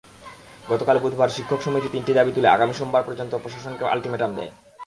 গতকাল বুধবার শিক্ষক সমিতি তিনটি দাবি তুলে আগামী সোমবার পর্যন্ত প্রশাসনকে আলটিমেটাম দেয়।